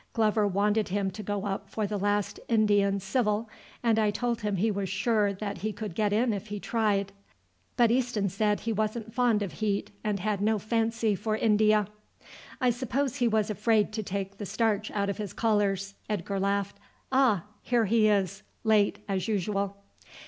Glover wanted him to go up for the last Indian Civil, and told him he was sure that he could get in if he tried, but Easton said he wasn't fond of heat and had no fancy for India." "I suppose he was afraid to take the starch out of his collars," Edgar laughed. "Ah! here he is; late as usual."